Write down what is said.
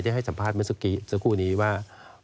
ให้สัมภาษณ์เมื่อสักครู่นี้ว่า